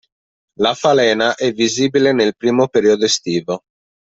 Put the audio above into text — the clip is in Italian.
La falena è visibile nel primo periodo estivo.